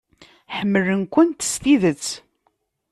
Ḥemmlen-kent s tidet.